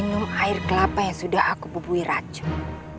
minum air kelapa yang sudah aku bubui racun